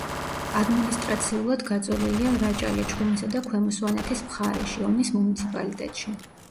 ადმინისტრაციულად გაწოლილია რაჭა-ლეჩხუმისა და ქვემო სვანეთის მხარეში, ონის მუნიციპალიტეტში.